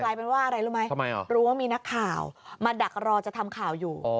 เป็นว่าอะไรรู้ไหมรู้ว่ามีนักข่าวมาดักรอจะทำข่าวอยู่